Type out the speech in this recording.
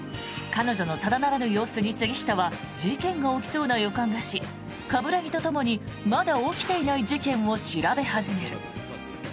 彼女のただならぬ様子に杉下は事件が起きそうな予感がし冠城とともにまだ起きていない事件を調べ始める。